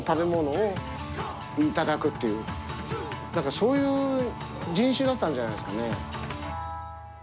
そういう人種だったんじゃないんですかね。